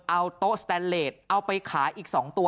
เอาโต๊ะสแตนเลสเอาไปขายอีก๒ตัว